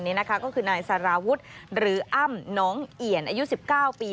นี่นะคะก็คือนายสารวุฒิหรืออ้ำน้องเอี่ยนอายุ๑๙ปี